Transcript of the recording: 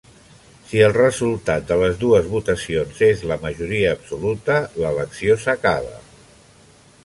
Si el resultat de les dues votacions és la majoria absoluta, l'elecció s'acaba.